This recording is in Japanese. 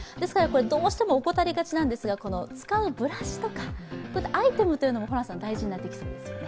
どうしても怠りがちなんですが使うブラシとかアイテムも大事になってきますね。